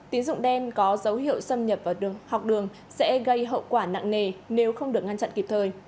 tín dụng đen có dấu hiệu xâm nhập vào học đường sẽ gây hậu quả nặng nề nếu không được ngăn chặn kịp thời